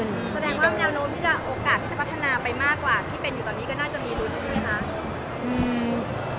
แสดงว่าแนวโน้มที่จะโอกาสที่จะพัฒนาไปมากกว่าที่เป็นอยู่ตอนนี้ก็น่าจะมีลุ้นใช่ไหมคะ